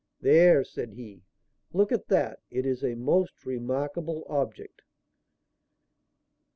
"There," said he, "look at that. It is a most remarkable object."